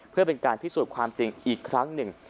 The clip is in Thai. เพื่อเป็นการพิสูจน์ความจริงอีกครั้งหนึ่ง